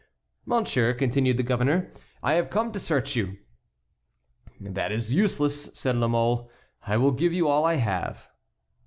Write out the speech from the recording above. "Monsieur," continued the governor, "I have come to search you." "That is useless," said La Mole. "I will give you all I have."